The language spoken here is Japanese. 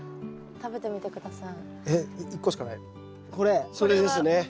食べてみて下さい。